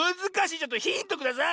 ちょっとヒントください！